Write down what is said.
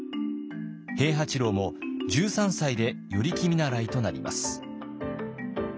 平八郎も１３歳で与力見習いとなります。